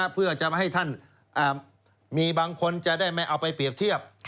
เพื่อจะไม่ให้ท่านมีบางคนจะได้ไม่เอาไปเปรียบเทียบ